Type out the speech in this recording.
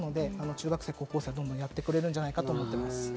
中学生、高校生もやってくれるんじゃないかと思います。